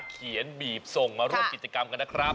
บีบส่งมาร่วมกิจกรรมกันนะครับ